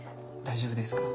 大丈夫ですか？